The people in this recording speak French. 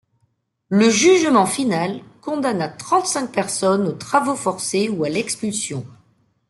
Le jugement final condamna trente-cinq personnes aux travaux forcés ou à l'expulsion.